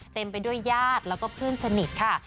เต็มไปด้วยญาติแล้วก็เพื่อนสนิทค่ะ